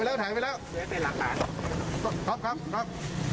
ลุกมาเอียวข้างหน้า